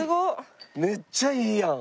めっちゃいいやん！